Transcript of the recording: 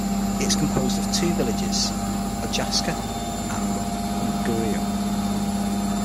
It is composed of two villages, Ojasca and Unguriu.